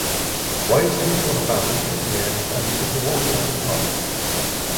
waiting for the band to appear and took a walk around the park.